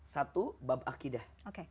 satu bab akidah